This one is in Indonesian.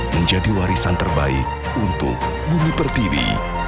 menjadi warisan terbaik untuk bumi pertiwi